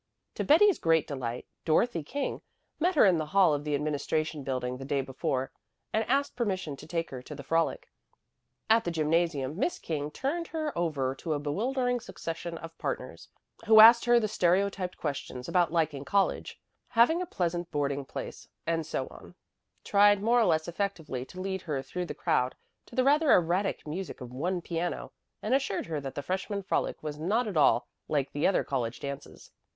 To Betty's great delight Dorothy King met her in the hall of the Administration Building the day before and asked permission to take her to the frolic. At the gymnasium Miss King turned her over to a bewildering succession of partners, who asked her the stereotyped questions about liking college, having a pleasant boarding place, and so on, tried more or less effectively to lead her through the crowd to the rather erratic music of one piano, and assured her that the freshman frolic was not at all like the other college dances.